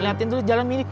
liatin dulu jalan milik